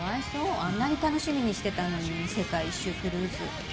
あんなに楽しみにしてたのに世界一周クルーズ。